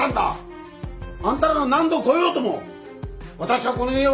あんたらが何度来ようとも私はこの家を出ないぞ！